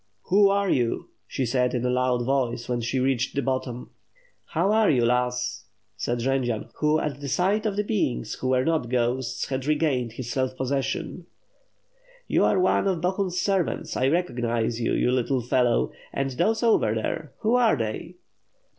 "Who are you?" she said, in a loud voice, when she reached the bottom. "How are you, lass?^' said Jendzian, who, at the &ight of beings who were not ghosts, had regained his self possession. "You are one of Bohun's servants, I recognize you, you little fellow. And those over there, who are they?"